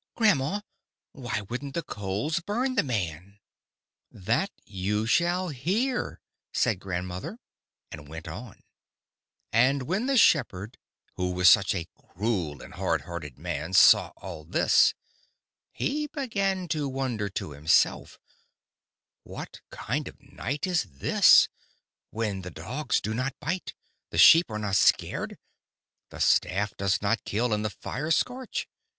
"Grandma, why wouldn't the coals burn the man?" "That you shall hear," said grandmother, and went on: "And when the shepherd, who was such a cruel and hard hearted man, saw all this, he began to wonder to himself: 'What kind of a night is this, when the dogs do not bite, the sheep are not scared, the staff does not kill, or the fire scorch?